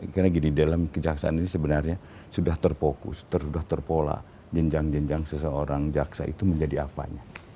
karena di dalam kejaksaan ini sebenarnya sudah terfokus sudah terpola jenjang jenjang seseorang jaksa itu menjadi apanya